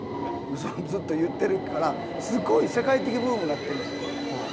ずっと言ってるからすごい世界的ブームになってんのやろ？